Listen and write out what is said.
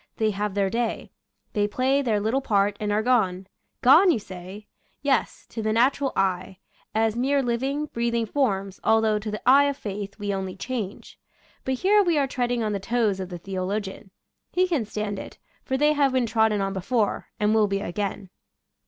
They have their day; they play their little part, and are gone. Gone, you say? Yes, to the natural eye — as mere living, breathing forms, although to the eye of faith we only change. But here we are treading on the toes (~~|, Original from :{<~ UNIVERSITY OF WISCONSIN •Raofatton of 1>eat. 153 of the theologian. He can stand it, for they have been trodden on before, and will be again.